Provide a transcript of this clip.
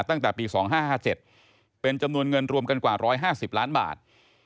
ตั้งแต่ปี๒๕๕๗เป็นจำนวนเงินรวมกันกว่า๑๕๐ล้านบาท